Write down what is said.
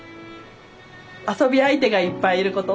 遊び相手がいっぱいいること。